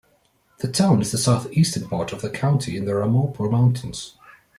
The town is in the southeastern part of the county in the Ramapo Mountains.